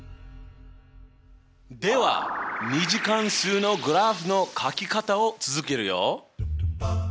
では２次関数のグラフのかき方を続けるよ。